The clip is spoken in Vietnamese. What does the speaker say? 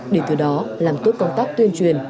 để từ đó làm tốt công tác tuyên truyền